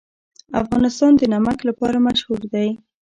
افغانستان د نمک لپاره مشهور دی.